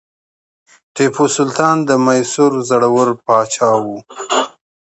ټیپو سلطان د میسور زړور پاچا و.